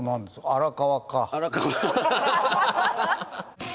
荒川か。